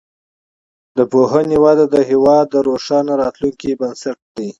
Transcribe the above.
د پوهنې وده د هیواد د روښانه راتلونکي بنسټ دی.